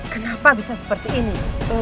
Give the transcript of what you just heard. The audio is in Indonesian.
kenapa bisa seperti ini